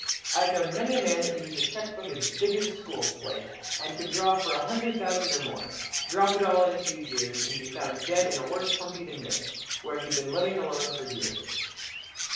I've known many a man that used a cheque book as big as a school slate, and could draw for a hundred thousand or more, drop it all in a few years, and be found dead in a worse 'humpy' than this, where he'd been living alone for years."